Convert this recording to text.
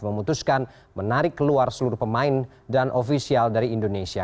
memutuskan menarik keluar seluruh pemain dan ofisial dari indonesia